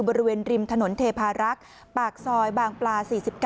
บริเวณริมถนนเทพารักษ์ปากซอยบางปลา๔๙